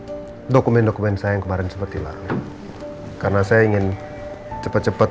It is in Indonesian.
cepat cepat berbicara tentang dokumen dokumen saya yang kemarin seperti lalu karena saya ingin cepat cepat